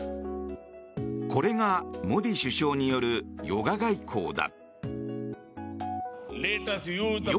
これがモディ首相によるヨガ外交だ。